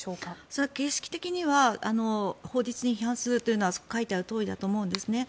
それは形式的には法律に違反するというのは書いてあるとおりだと思うんですね。